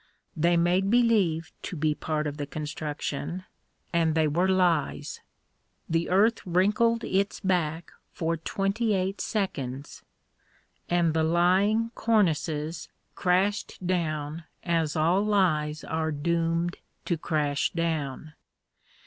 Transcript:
They made believe to be part of the construction, and they were lies. The earth wrinkled its back for twenty eight seconds, and the lying cornices crashed down as all lies are doomed to crash down.